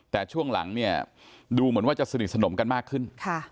แต่ช่วงหลังเนี่ยดูเหมือนว่าจะสนิทสนมกันมากขึ้น